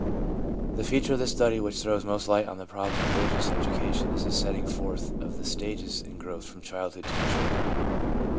The feature of the study which throws most light on the problem of religious education is the setting forth of the stages in growth from childhood to maturity.